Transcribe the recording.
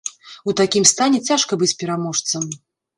У такім стане цяжка быць пераможцам.